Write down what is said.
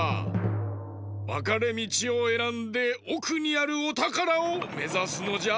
わかれみちをえらんでおくにあるおたからをめざすのじゃ。